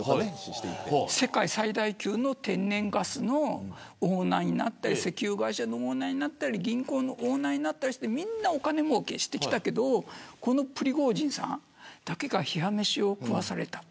世界最大級の天然ガスのオーナーになったり石油会社のオーナーになったり銀行のオーナーになったりしてみんな、お金儲けしたけどこのプリゴジンさんだけが冷や飯を食わされた。